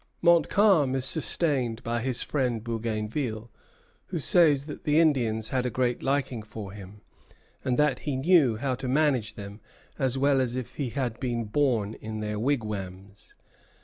Montcalm is sustained by his friend Bougainville, who says that the Indians had a great liking for him, and that he "knew how to manage them as well as if he had been born in their wigwams."